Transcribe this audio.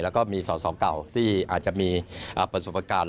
แล้วก็มีสอสอเก่าที่อาจจะมีประสบการณ์